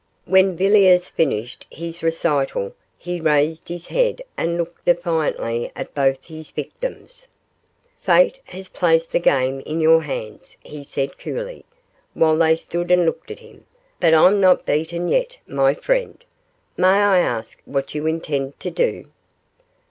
When Villiers finished his recital he raised his head and looked defiantly at both his victims. 'Fate has placed the game in your hands,' he said coolly, while they stood and looked at him; 'but I'm not beaten yet, my friend. May I ask what you intend to do?